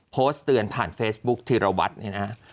โพสต์เตือนผ่านเฟซบุ๊คธีรวัตรเนี่ยนะ